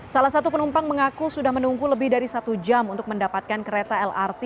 salah satu penumpang mengaku sudah menunggu lebih dari satu jam untuk mendapatkan kereta lrt